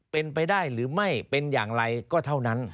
เป็นไปได้หรือไม่เป็นอย่างไรก็เท่านั้น